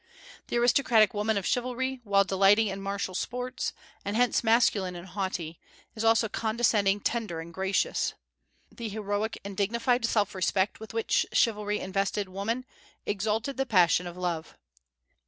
The aristocratic woman of chivalry, while delighting in martial sports, and hence masculine and haughty, is also condescending, tender, and gracious. The heroic and dignified self respect with which chivalry invested woman exalted the passion of love.